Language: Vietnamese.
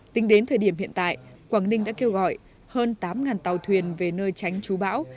tính đến thời điểm hiện tại quảng ninh đã kêu gọi hơn tám tàu thuyền về nơi tránh trú bão